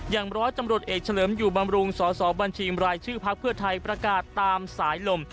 อย่างร้อยตำรวจเอกเฉลิมอยู่บำรุงสสบัญชีมรายชื่อพักเพื่อไทยประกาศตามสายลม